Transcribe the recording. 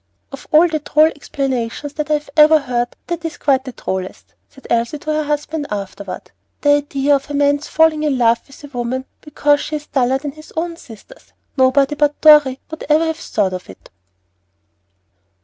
"Of all the droll explanations that I ever heard, that is quite the drollest," said Elsie to her husband afterward. "The idea of a man's falling in love with a woman because she's duller than his own sisters! Nobody but Dorry would ever have thought of it."